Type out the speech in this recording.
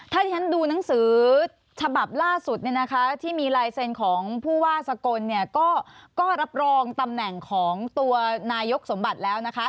ถ้าที่ฉันดูหนังสือฉบับล่าสุดเนี่ยนะคะที่มีลายเซ็นต์ของผู้ว่าสกลเนี่ยก็รับรองตำแหน่งของตัวนายกสมบัติแล้วนะคะ